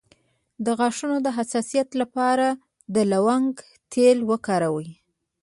د غاښونو د حساسیت لپاره د لونګ تېل وکاروئ